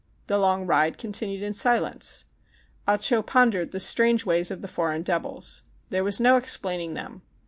The long ride continued in silence. Ah Cho pondered the strange ways of the foreign devils. There was no explaining them.